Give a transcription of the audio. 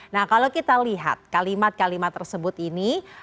nah kalau kita lihat kalimat kalimat tersebut ini